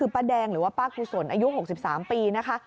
ป้าแดงหรือว่าป้ากุศลอายุ๖๓ปีนะคะ